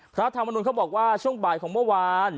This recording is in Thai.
พระธรรมนุนเขาบอกว่าช่วงบ่ายของเมื่อวาน